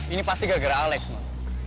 ini pasti gara gara alex